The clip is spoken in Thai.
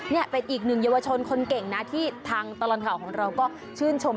นี่เป็นอีกหนึ่งเยาวชนคนเก่งนะที่ทางตลอดข่าวของเราก็ชื่นชม